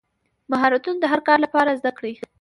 مهارتونه د هر کار لپاره زده کړئ.